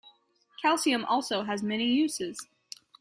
Calcium also has many uses.